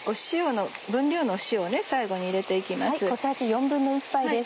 分量の塩を最後に入れて行きます。